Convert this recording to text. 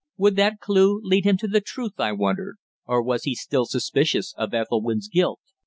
Would that clue lead him to the truth, I wondered? Or was he still suspicious of Ethelwynn's guilt?